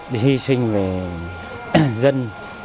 đi sinh về dân